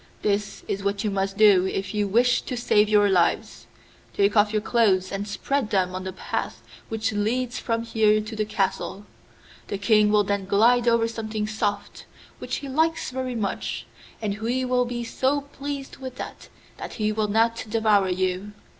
This is what you must do if you wish to save your lives. Take off your clothes and spread them on the path which leads from here to the castle. The King will then glide over something soft, which he likes very much, and he will be so pleased with that that he will not devour you.